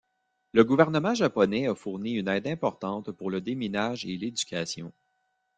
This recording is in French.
Le gouvernement japonais a fourni une aide importante pour le déminage et l'éducation.